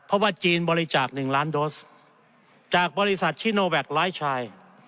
เพราะว่าจีนบริจาค๑ล้านโดสจากบริษัทชิโนแวคไลฟ์ชาย